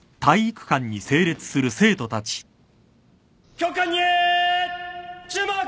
教官に注目。